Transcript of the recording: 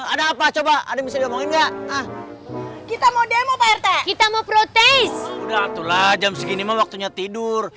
ada apa coba ada bisa ngomongin nggak kita mau demo kita mau protes jam segini waktunya tidur